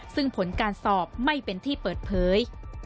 ซึ่งผลการสอบไม่เป็นที่เปิดเผย